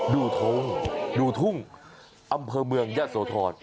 ทงดูทุ่งอำเภอเมืองยะโสธร